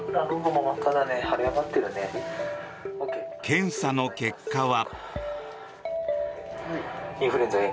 検査の結果は。